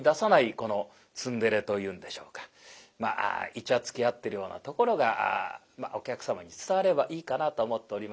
このツンデレというんでしょうかまあイチャつきあってるようなところがお客様に伝わればいいかなと思っております。